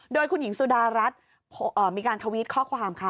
โดยคุณหญิงสุดารัฐมีการทวิตข้อความค่ะ